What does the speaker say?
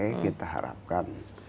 semua partai kita harapkan